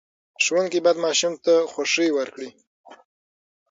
ښوونکي باید ماشوم ته خوښۍ ورکړي.